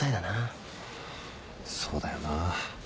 そうだよな。